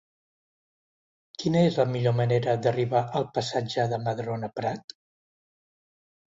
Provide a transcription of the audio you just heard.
Quina és la millor manera d'arribar al passatge de Madrona Prat?